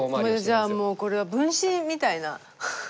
じゃあもうこれは分身みたいな。